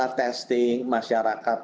dan juga testing tracingnya harus kita tiketkan